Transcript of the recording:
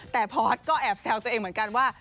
แต่พอร์ตก็แอบแซวตัวเองเหมือนกันว่า